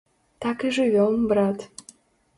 Так і жывём, брат.